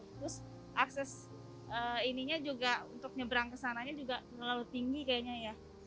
terus akses ininya juga untuk nyebrang kesananya juga terlalu tinggi kayaknya ya